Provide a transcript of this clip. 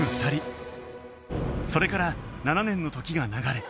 それから７年の時が流れ